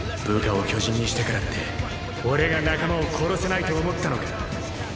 部下を巨人にしたからって俺が仲間を殺せないと思ったのか？